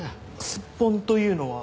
すっぽんというのは？